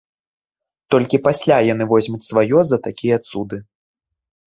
Толькі пасля яны возьмуць сваё за такія цуды.